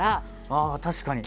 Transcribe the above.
ああ確かに。